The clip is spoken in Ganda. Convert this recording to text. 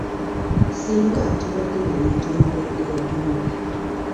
Ssinga tubadde naye twandibadde bagumu.